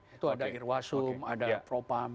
itu ada irwasum ada propam